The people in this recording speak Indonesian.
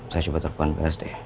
saya coba telepon beres deh